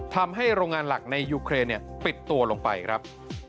โรงงานหลักในยูเครนปิดตัวลงไปครับ